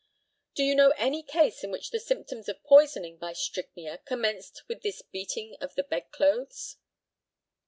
Do you know any case in which the symptoms of poisoning by strychnia commenced with this beating of the bed clothes?